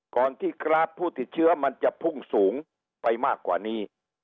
ก่อนที่กราฟผู้ติดเชื้อมันจะพุ่งสูงไปมากกว่านี้